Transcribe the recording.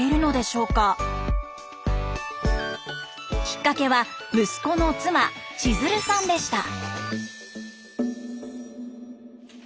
きっかけは息子の妻千鶴さんでした。